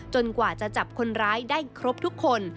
กว่าจะจับคนร้ายได้ครบทุกคน